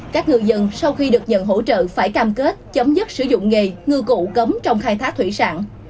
các ngư dân sau khi được nhận hỗ trợ phải cam kết chấm dứt sử dụng nghề ngư cụ cấm trong khai thác thủy sản